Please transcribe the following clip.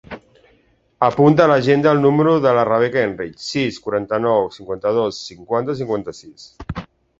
Apunta a l'agenda el número de la Rebeca Enrich: sis, quaranta-nou, cinquanta-dos, cinquanta, cinquanta-sis.